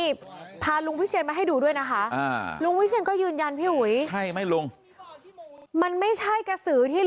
เอาทั้งสองอย่างเลย